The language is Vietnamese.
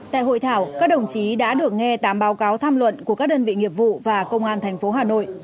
tại hội thảo các đồng chí đã được nghe tám báo cáo tham luận của các đơn vị nghiệp vụ và công an tp hà nội